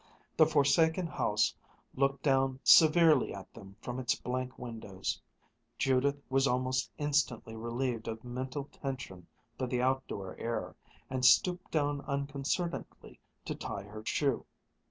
The forsaken house looked down severely at them from its blank windows. Judith was almost instantly relieved of mental tension by the outdoor air, and stooped down unconcernedly to tie her shoe.